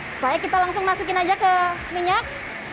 supaya kita langsung masukkan saja ke minyak